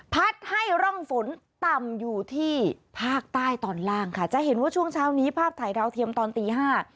ให้ร่องฝนต่ำอยู่ที่ภาคใต้ตอนล่างค่ะจะเห็นว่าช่วงเช้านี้ภาพถ่ายดาวเทียมตอนตีห้า